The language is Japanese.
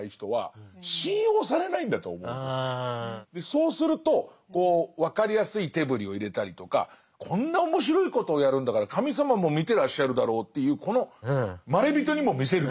そうするとこう分かりやすい手ぶりを入れたりとかこんな面白いことをやるんだから神様も見てらっしゃるだろうという。